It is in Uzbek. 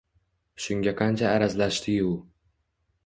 Shunga qancha arazlashdi-yu…